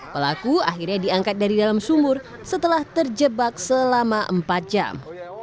pelaku akhirnya diangkat dari dalam sumur setelah terjebak selama empat jam